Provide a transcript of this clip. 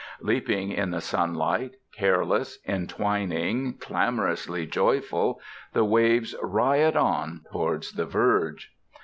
Leaping in the sunlight, careless, entwining, clamorously joyful, the waves riot on towards the verge.